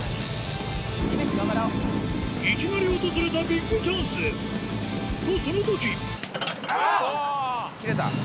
いきなり訪れたビッグチャンスとそのときあっ！